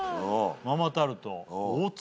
ママタルト大鶴